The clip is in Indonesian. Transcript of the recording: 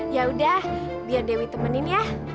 yaudah biar dewi temenin ya